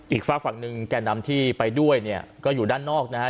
ฝากฝั่งหนึ่งแก่นำที่ไปด้วยเนี่ยก็อยู่ด้านนอกนะฮะ